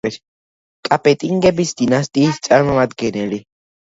კაპეტინგების დინასტიის წარმომადგენელი.